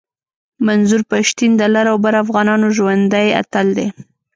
منظور پشتین د لر او بر افغانانو ژوندی اتل دی